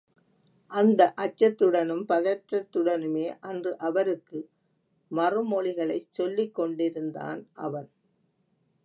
அந்த அச்சத்துடனும் பதற்றத்துடனுமே அன்று அவருக்கு மறுமொழிகளைச் சொல்லிக் கொண்டிருந்தான் அவன்.